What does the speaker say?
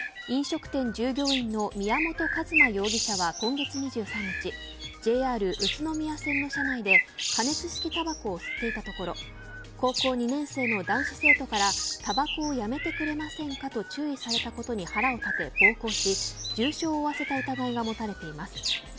飲食店従業員の宮本一馬容疑者は今月２３日ＪＲ宇都宮線の車内で加熱式たばこを吸っていたところ高校２年生の男子生徒からたばこをやめてくれませんかと注意されたことに腹を立て暴行し、重傷を負わせた疑いが持たれています。